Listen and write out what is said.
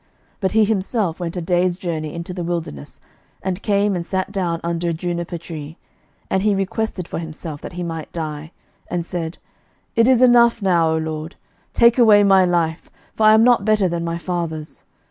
11:019:004 But he himself went a day's journey into the wilderness, and came and sat down under a juniper tree: and he requested for himself that he might die; and said, It is enough; now, O LORD, take away my life; for I am not better than my fathers.